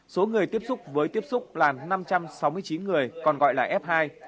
số người tiếp xúc với tiếp xúc là năm trăm sáu mươi chín người còn gọi là f hai